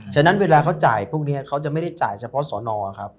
ฉะนั้นเวลาเขาจ่ายพวกนี้เขาจะไม่ได้จ่ายเฉพาะสอนอครับ